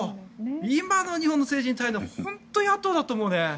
今の日本の政治に言いたいのは本当に野党だと思うね。